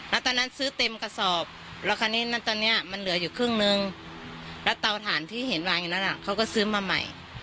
แล้วตอนนั้นซื้อเต็มกระสอบแล้วคราวนี้ตอนนี้มันเหลืออยู่ครึ่งนึงแล้วเตาถ่านที่เห็นวางอยู่นั้นเขาก็ซื้อมาใหม่